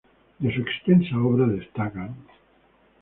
De su extensa obra destacan